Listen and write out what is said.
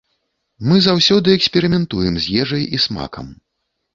Мы заўсёды эксперыментуем з ежай і смакам.